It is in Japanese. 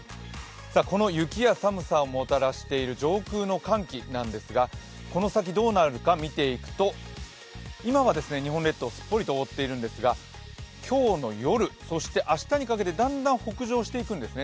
この雪や寒さをもたらしている上空の寒気なんですけれどもこの先どうなるか見ていくと今は日本列島をすっぽりと覆っているんですが今日の夜、そして明日にかけてだんだん北上していくんですね。